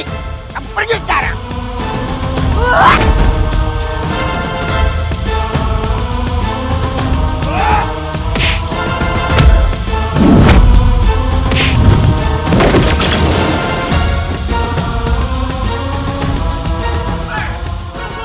kelapu kalau hari hai euro